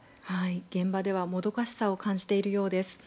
現場ではもどかしさを感じているようです。